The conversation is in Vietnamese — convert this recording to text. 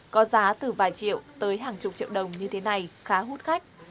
có giá từ vài triệu tới hàng chục triệu đồng như thế này khá hút khách